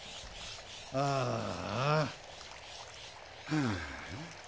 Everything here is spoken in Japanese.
ああ。